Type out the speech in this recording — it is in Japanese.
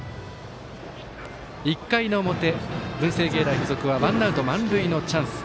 １回の表、文星芸大付属はワンアウト満塁のチャンス。